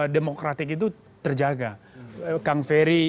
demokratik itu terjaga kang ferry